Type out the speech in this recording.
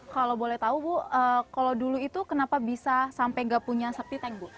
kalau boleh tahu bu kalau dulu itu kenapa bisa sampai tidak punya septik